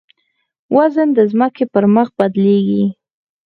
وزن د ځمکې پر مخ بدلېږي.